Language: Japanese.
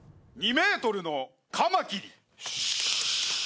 ２ｍのカマキリ。